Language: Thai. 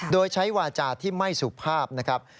โดยใช้วาจาที่ไม่สุภาพนะครับ